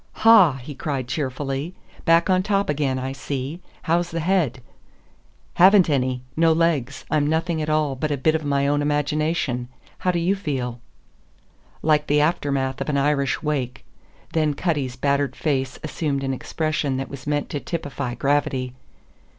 "Ha!" he cried, cheerfully. "Back on top again, I see. How's the head?" "Haven't any; no legs; I'm nothing at all but a bit of my own imagination. How do you feel?" "Like the aftermath of an Irish wake." Then Cutty's battered face assumed an expression that was meant to typify gravity.